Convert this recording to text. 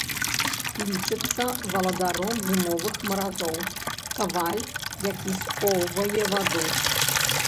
Лічыцца валадаром зімовых маразоў, каваль, які скоўвае ваду.